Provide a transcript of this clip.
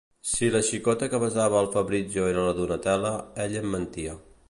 Si la xicota que besava al Fabrizio era la Donatella, ell em mentia.